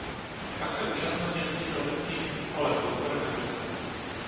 Pak se účastnil četných leteckých dnů a letů po republice.